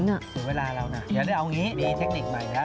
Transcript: เสร็จเวลาแล้วนะเดี๋ยวเอาอย่างนี้มีเทคนิคใหม่แล้ว